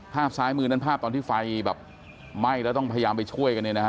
ภาพซ้ายมือนั้นภาพตอนที่ไฟแบบไหม้แล้วต้องพยายามไปช่วยกันเนี่ยนะฮะ